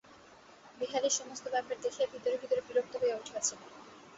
বিহারী সমস্ত ব্যাপার দেখিয়া ভিতরে ভিতরে বিরক্ত হইয়া উঠিয়াছিল।